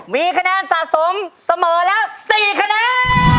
มีคะแนนสะสมเสมอแล้ว๔คะแนน